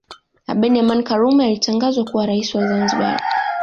abedi amani karume alitangazwa kuwa rais wa zanzibar